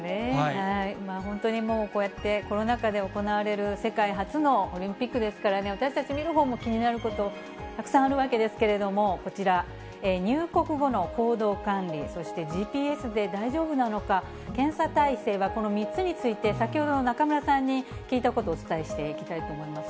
本当にもう、こうやってコロナ禍で行われる世界初のオリンピックですからね、私たち、見るほうも気になること、たくさんあるわけですけれども、こちら、入国後の行動管理、そしてＧＰＳで大丈夫なのか、検査体制は、この３つについて、先ほどの中村さんに聞いたことをお伝えしていきたいと思います。